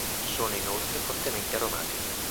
Sono inoltre fortemente aromatiche.